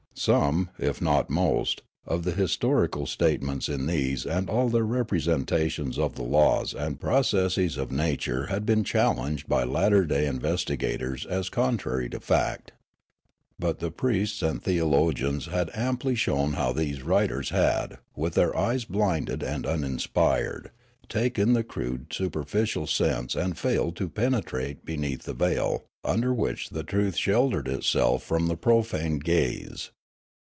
Some, if not most, of the historical statements in these and all of their representations of the laws and processes of nature had been challenged by latter day investigators as contrary to fact. But the priests and theologians had amply shown how these writers had, with their eyes blinded and uninspired, Aleofanian Society and Religion 2>7 taken the crude superficial sense and failed to penetrate beneath the veil under which the truth sheltered itself from the profane gaze.